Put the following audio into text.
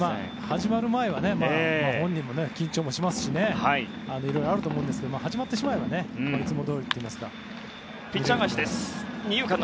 始まる前は本人も緊張もしますしいろいろあると思いますが始まってしまえばいつもどおりといいますかね。